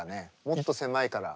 もっと狭いから。